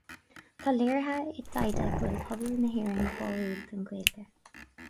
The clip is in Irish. Tá léirithe i dtaighde go bhfuil pobal na hÉireann báúil don Ghaeilge